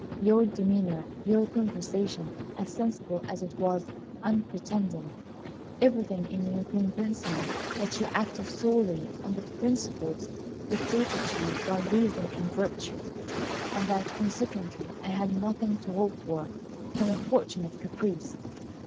Your demeanour, your conversation, as sensible as it was unpretending, everything in you convinced me that you acted solely on the principles dictated to you by reason and virtue, and that consequently I had nothing to hope for from a fortunate caprice.